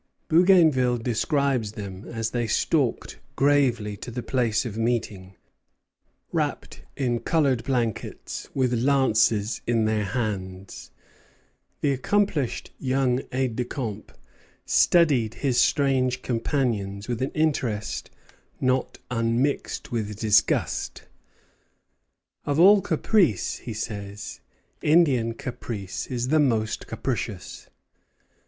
Bougainville describes them as they stalked gravely to the place of meeting, wrapped in colored blankets, with lances in their hands. The accomplished young aide de camp studied his strange companions with an interest not unmixed with disgust. "Of all caprice," he says, "Indian caprice is the most capricious."